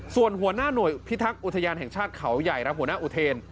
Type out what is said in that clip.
ส่วนหัวหน้าหน่วยพิทักษ์อุทยานแห่งชาติเขาใหญ่รับหัวหน้าอุเทน